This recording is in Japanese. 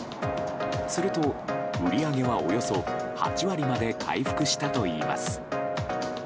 すると、売り上げはおよそ８割まで回復したといいます。